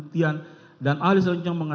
kita harus membuatnya